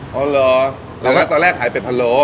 อ๋อเหรอแต่ว่าตอนแรกขายเป็ดพะโล้